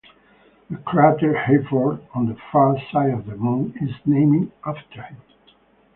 The crater Hayford on the far side of the Moon is named after him.